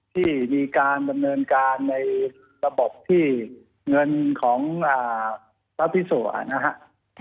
ที่มีการดำเนินการในระบบที่เงินของพระพิสุนะครับ